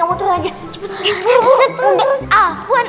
udah mendingan kamu